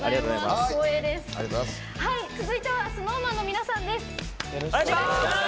続いてはＳｎｏｗＭａｎの皆さんです。